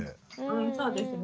そうですね。